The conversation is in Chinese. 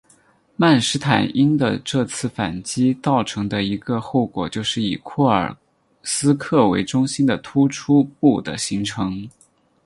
曼施坦因的这次反击造成的一个后果就是以库尔斯克为中心的突出部的形成。